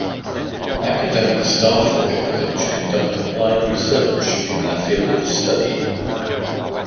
Academic staff at the college conduct applied research in their field of study.